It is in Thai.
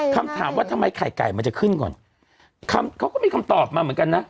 คำถามว่าทำไมไข่ไก่มันจะขึ้นก่อนคำเขาก็มีคำตอบมาเหมือนกันนะ